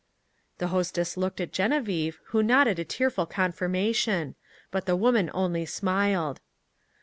The hostess looked at Genevieve, who nodded a tearful confirmation. But the woman only smiled.